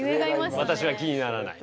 「私は気にならない」。